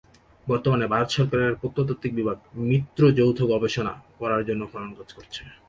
বর্তমানে, ভারত সরকারের প্রত্নতাত্ত্বিক বিভাগ মিত্র যৌথ গবেষণা করার জন্য খননকাজ করছে।